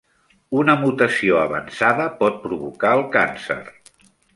Una mutació avançada pot provocar el càncer.